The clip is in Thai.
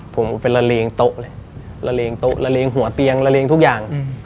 ผมไปละเลงโต๊ะเลยละเลงโต๊ะระเลงหัวเตียงระเลงทุกอย่าง